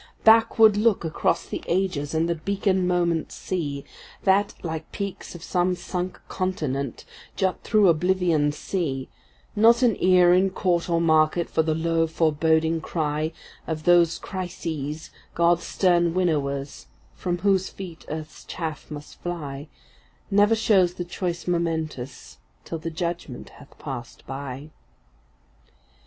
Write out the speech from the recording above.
Backward look across the ages and the beacon moments see, That, like peaks of some sunk continent, jut through Oblivion’s sea; Not an ear in court or market for the low foreboding cry Of those Crises, God’s stern winnowers, from whose feet earth’s chaff must fly; Never shows the choice momentous till the judgment hath passed by.